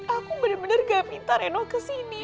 aku bener bener gak minta reno ke sini